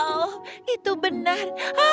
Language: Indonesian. oh itu benar